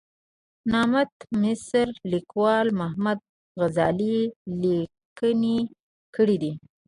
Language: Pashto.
نامت مصري لیکوال محمد غزالي لیکنې کړې دي.